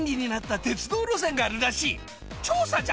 調査じゃ！